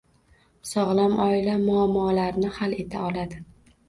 Sog‘lom oila muammolarni hal eta oladi.